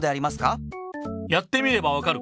やってみればわかる。